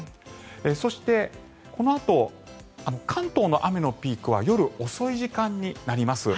そして、このあと関東の雨のピークは夜遅い時間になります。